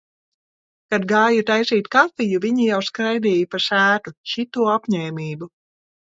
Kad gāju taisīt kafiju, viņi jau skraidīja pa sētu. Šito apņēmību.